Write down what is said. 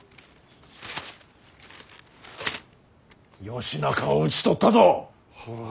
義仲を討ち取ったぞ！